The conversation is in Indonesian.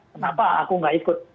kenapa aku gak ikut